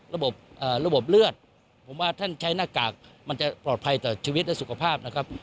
ระบบระบบเลือดผมว่าท่านใช้หน้ากากมันจะปลอดภัยต่อชีวิตและสุขภาพนะครับ